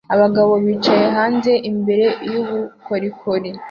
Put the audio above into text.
Abagabo bicaye hanze imbere yubukorikori